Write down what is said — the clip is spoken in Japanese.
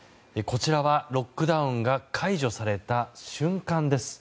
こちらはロックダウンが解除された瞬間です。